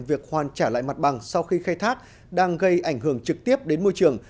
việc hoàn trả lại mặt bằng sau khi khai thác đang gây ảnh hưởng trực tiếp đến môi trường